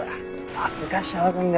さすが将軍だ。